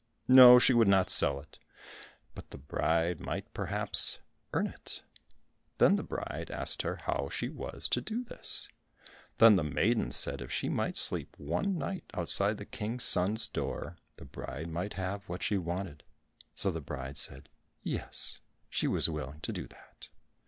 No, she would not sell it, but the bride might perhaps earn it. Then the bride asked her how she was to do this? Then the maiden said if she might sleep one night outside the King's son's door, the bride might have what she wanted. So the bride said, "Yes, she was willing to do that."